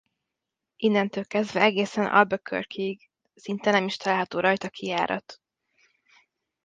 Innentől kezdve egészen Albuquerque-ig szinte nem is található rajta kijárat.